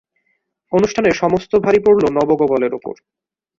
অনুষ্ঠানের সমস্ত ভারই পড়ল নবগোপালের উপর।